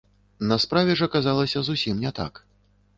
На справе ж аказалася зусім не так.